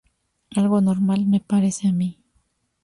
Algo normal me parece a mi".